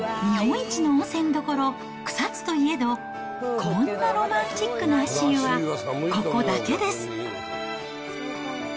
日本一の温泉どころ、草津といえど、こんなロマンチックな足湯はここだけです。